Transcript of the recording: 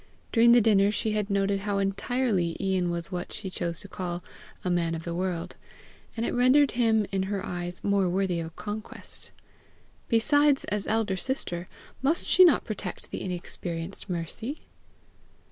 During the dinner she had noted how entirely Ian was what she chose to call a man of the world; and it rendered him in her eyes more worthy of conquest. Besides, as elder sister, must she not protect the inexperienced Mercy?